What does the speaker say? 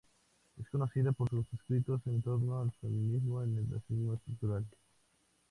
Es conocida por sus escritos en torno al feminismo y el racismo estructural.